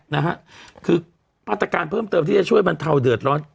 นะฮะคือมาตรการเพิ่มเติมที่จะช่วยบรรเทาเดือดร้อน